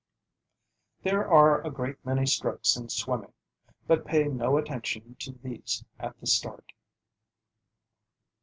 There are a great many strokes in swimming, but pay no attention to these at the start.